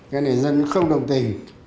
cái này dân không đồng tình